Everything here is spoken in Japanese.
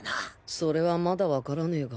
それはまだ分からねぇが。